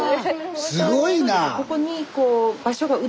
すごいなあ！